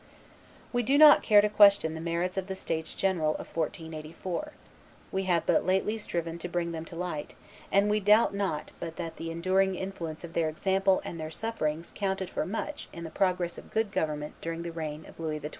We do not care to question the merits of the states general of 1484; we have but lately striven to bring them to light, and we doubt not but that the enduring influence of their example and their sufferings counted for much in the progress of good government during the reign of Louis XII.